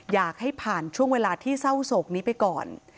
อยากให้ผ่านช่วงเวลาที่เศร้าโศกนี้ไปก่อน